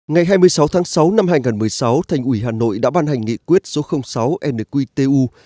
ngày hai mươi sáu tháng sáu năm hai nghìn một mươi sáu thành ủy hà nội đã ban hành nghị quyết số sáu nqtu